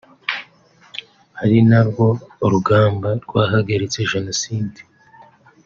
ari narwo rugamba rwahagaritse Jenoside